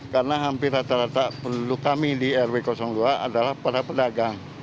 karena hampir rata rata perlu kami di rw dua adalah para pendatang